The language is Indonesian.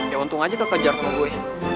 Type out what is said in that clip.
ya untung aja kekejar sama gue